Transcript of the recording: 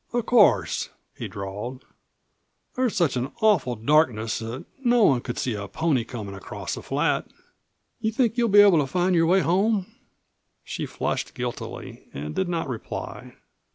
"Of course," he drawled, "there's such an awful darkness that no one could see a pony comin' across the flat. You think you'll be able to find your way home?" She flushed guiltily and did not reply.